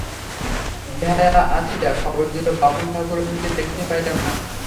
বেহারা আসিয়া খবর দিল, বামুন-ঠাকরুনকে দেখিতে পাইলাম না।